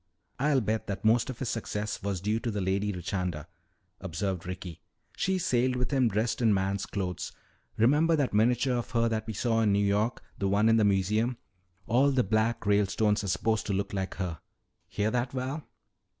"I'll bet that most of his success was due to the Lady Richanda," observed Ricky. "She sailed with him dressed in man's clothes. Remember that miniature of her that we saw in New York, the one in the museum? All the 'Black' Ralestones are supposed to look like her. Hear that, Val?"